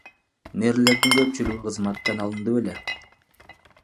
Мэрлердин көпчүлүгү кызматтан алынды беле?